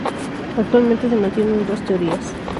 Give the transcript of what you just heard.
Actualmente se mantiene dos teorías.